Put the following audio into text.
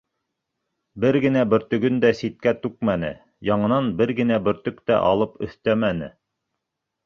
Бер генә бөртөгөн дә ситкә түкмәне, яңынан бер генә бөртөк тә алып өҫтәмәне.